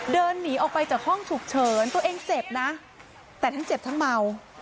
เดินหนีออกไปจากห้องฉุกเฉินตัวเองเจ็บนะแต่ทั้งเจ็บทั้งเมา